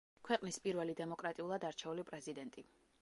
ქვეყნის პირველი დემოკრატიულად არჩეული პრეზიდენტი.